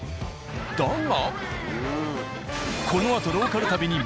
だが。